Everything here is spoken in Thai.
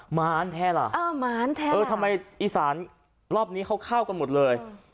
หมานแท้ล่ะทำไมอีสานรอบนี้เข้ากันหมดเลย